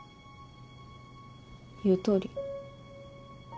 言うとおり。